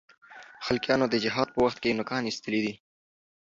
خلقیانو د جهاد په وخت کې نوکان اېستلي دي.